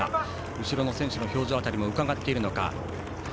後ろの選手の表情をうかがっているのか。